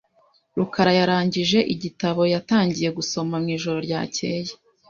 rukara yarangije igitabo yatangiye gusoma mwijoro ryakeye .